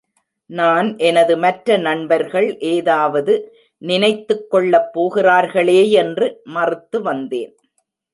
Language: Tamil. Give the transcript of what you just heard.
நான் எனது மற்ற நண்பர்கள் ஏதாவது நினைத்துக் கொள்ளப்போகிறார்களேயென்று மறுத்து வந்தேன்.